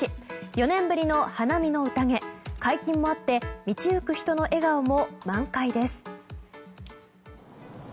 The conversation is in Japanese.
４年ぶりの花見の宴解禁もあって道行く人の笑顔も満開です。